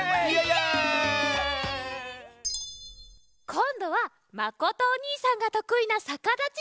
こんどはまことおにいさんがとくいなさかだちでわなげだよ！